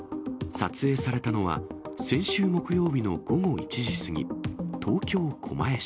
撮影されたのは、先週木曜日の午後１時過ぎ、東京・狛江市。